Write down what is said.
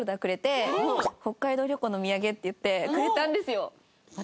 北海道旅行のお土産って言ってくれたんですよ！